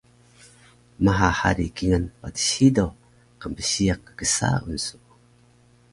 Maha hari kingal patis hido qnbsiyaq kksaun su